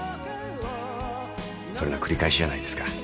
それの繰り返しじゃないですか。